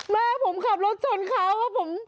แม่ผมขับรถชนเขาว่าผม